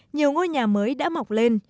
nhiều ngôi nhà mới đã mọc lên